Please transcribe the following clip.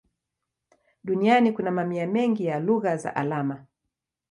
Duniani kuna mamia mengi ya lugha za alama.